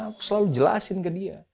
aku selalu jelasin ke dia